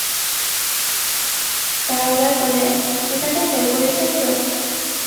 দাৰোগাই ক'লে- "মিছাতে ভয় কৰিছা কিয়?"